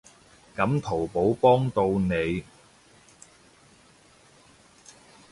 噉淘寶幫到你